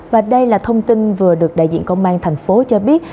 và đây là thông tin vừa được đại diện công an tp hcm cho biết